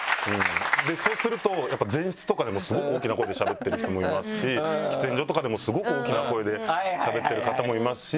そうするとやっぱ前室とかでもスゴく大きな声でしゃべってる人もいますし喫煙所とかでもスゴく大きな声でしゃべってる方もいますし。